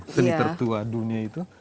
seni tertua dunia itu